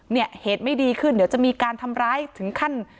เนี่ยเหตุไม่ดีขึ้นเดี๋ยวจะมีการทำร้ายถึงขั้น